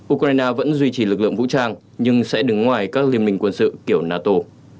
ukraine vẫn duy trì lực lượng vũ trang nhưng sẽ đứng ngoài các liên minh quân sự kiểu nato